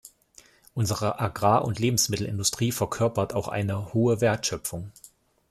Unsere Agrar- und Lebensmittelindustrie verkörpert auch eine hohe Wertschöpfung.